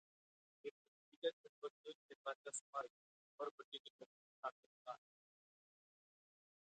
हे पृथ्वीच्या चुंबकीय क्षेत्राच्या सुमारे शंभर पटीनी कमी ताकदवर आहे.